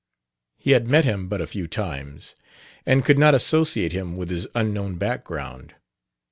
He had met him but a few times, and could not associate him with his unknown background.